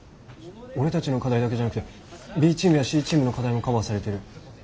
俺たちの課題だけじゃなくてＢチームやＣチームの課題もカバーされてる。